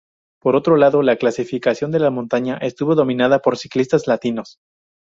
Por otro lado, la clasificación de la montaña estuvo dominada por ciclistas latinos.